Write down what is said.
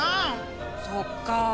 そっか。